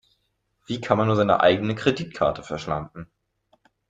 Wie kann man nur seine eigene Kreditkarte verschlampen?